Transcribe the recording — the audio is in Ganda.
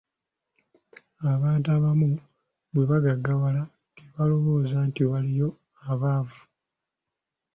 Abantu abamu bwe bagaggawala tebalowooza nti waliyo abaavu.